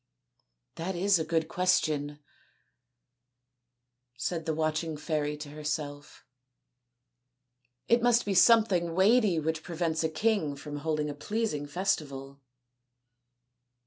" That is a good question," said the watching fairy to herself ;" it must be something weighty which prevents a king from holding a pleasing festival."